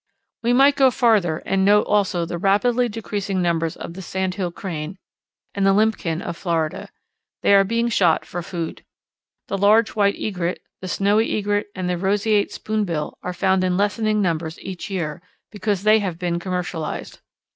We might go farther and note also the rapidly decreasing numbers of the Sandhill Crane and the Limpkin of Florida. They are being shot for food. The large White Egret, the Snowy Egret, and the Roseate Spoonbill are found in lessening numbers each year because they have been commercialized.